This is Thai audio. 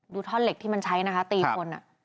ท่อนเหล็กที่มันใช้นะคะตีคน